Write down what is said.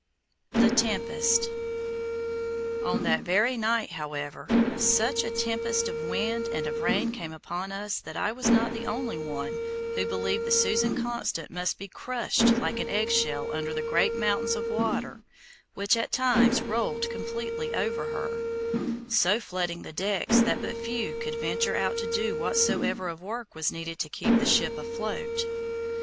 THE TEMPEST On that very night, however, such a tempest of wind and of rain came upon us that I was not the only one who believed the Susan Constant must be crushed like an eggshell under the great mountains of water which at times rolled completely over her, so flooding the decks that but few could venture out to do whatsoever of work was needed to keep the ship afloat.